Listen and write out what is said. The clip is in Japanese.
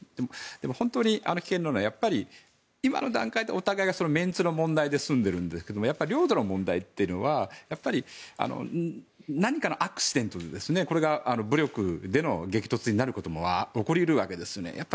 でも、本当に危険なのはやっぱり、今の段階ではお互いのメンツの問題で済んでいるんですけれどもやっぱり領土の問題は何かのアクシデントでこれが武力での激突になることも起こり得るわけですよね。